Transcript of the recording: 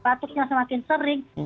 batuknya semakin sering